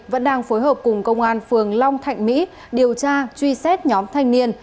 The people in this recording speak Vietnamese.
vẫn đang phối hợp cùng công an phường long thạnh mỹ điều tra truy xét nhóm thanh niên